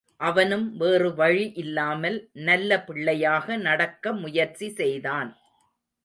அவனும் வேறுவழி இல்லாமல் நல்ல பிள்ளையாக நடக்க முயற்சி செய்தான்.